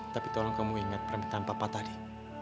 tapi tolong kamu ingat permintaan papa tadi